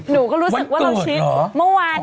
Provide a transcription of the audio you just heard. นูก็รู้สึกว่าเราชิดกันเมื่อวานนี้